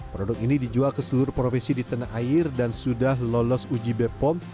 produk ini dijual ke seluruh provinsi di tanah air dan sudah lolos uji bepom